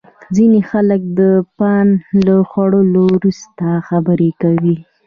ځینې خلک د پان له خوړلو وروسته خبرې کوي.